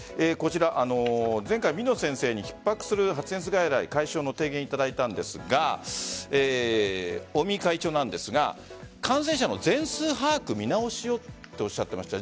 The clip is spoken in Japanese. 前回、水野先生にひっ迫する発熱外来解消の提言頂いたんですが尾身会長なんですが感染者の全数把握、見直しをとおっしゃっていました。